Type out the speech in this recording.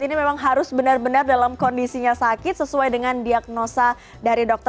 ini memang harus benar benar dalam kondisinya sakit sesuai dengan diagnosa dari dokter